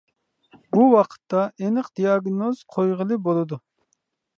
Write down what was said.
بۇ ۋاقىتتا ئېنىق دىياگنوز قويغىلى بولىدۇ.